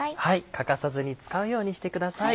欠かさずに使うようにしてください。